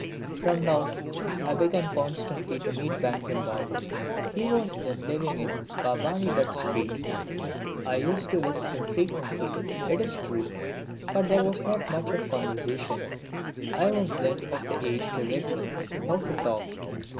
From now I began constantly to meet Bankim Babu. He was then living in Bhabani Dutt's street. I used to visit him frequently, it is true, but there was not much of conversation. I was then of the age to listen, not to talk.